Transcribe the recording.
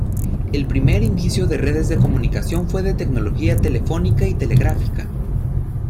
El primer indicio de redes de comunicación fue de tecnología telefónica y telegráfica.